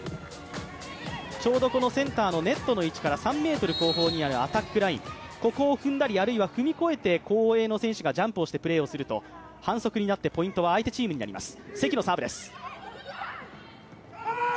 ちょうどセンターのネットの位置から３ｍ後方にあるアタックライン、ここを踏んだり踏み越えたりして、後衛の選手がジャンプをしてプレーをすると反則になってポイントは相手チームになります。